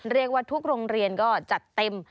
เรียกว่าทุกโรงเรียนก็จัดเต็ม